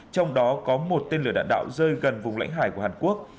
trong đó có một tên lửa đạn đạo rơi gần vùng lãnh hải của hàn quốc